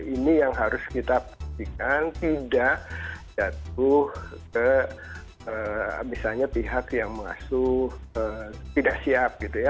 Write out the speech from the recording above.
ini yang harus kita pastikan tidak jatuh ke misalnya pihak yang mengasuh tidak siap gitu ya